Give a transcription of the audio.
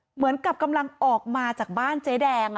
เหมือนกับกำลังออกมาจากบ้านเจ๊แดง